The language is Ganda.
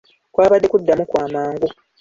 Kwabadde kuddamu kw'amangu.